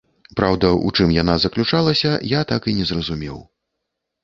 Праўда, у чым яна заключалася, я так і не зразумеў.